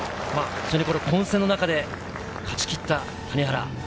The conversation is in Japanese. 混戦の中で勝ちきった谷原。